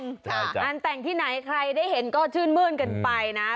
งานแต่งที่ไหนใครได้เห็นก็ชื่นมื้นกันไปนะ